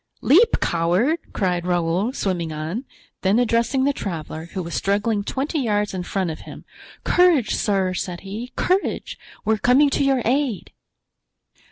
"Leap, coward!" cried Raoul, swimming on; then addressing the traveler, who was struggling twenty yards in front of him: "Courage, sir!" said he, "courage! we are coming to your aid."